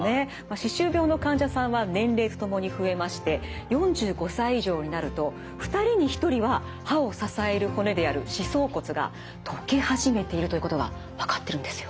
歯周病の患者さんは年齢と共に増えまして４５歳以上になると２人に１人は歯を支える骨である歯槽骨が溶け始めているということが分かってるんですよ。